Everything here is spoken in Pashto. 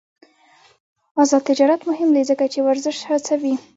آزاد تجارت مهم دی ځکه چې ورزش هڅوي.